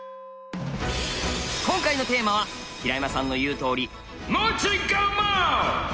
今回のテーマは平山さんの言うとおり「持ち駒」！